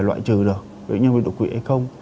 loại trừ được bởi vì đột quỵ ấy không